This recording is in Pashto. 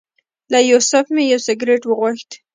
له یوسف مې یو سګرټ وغوښت.